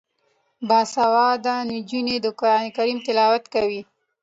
باسواده نجونې د قران کریم تلاوت کوي.